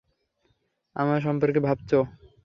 আমার সম্পর্কে ভাবছো?